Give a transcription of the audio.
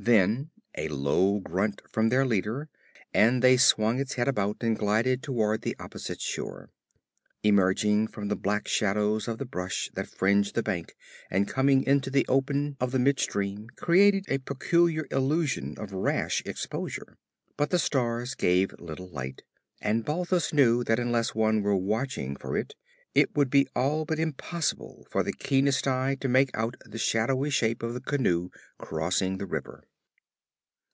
Then a low grunt from their leader, and they swung its head about and glided toward the opposite shore. Emerging from the black shadows of the brush that fringed the bank and coming into the open of the midstream created a peculiar illusion of rash exposure. But the stars gave little light, and Balthus knew that unless one were watching for it, it would be all but impossible for the keenest eye to make out the shadowy shape of the canoe crossing the river.